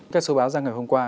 các số báo ra ngày hôm qua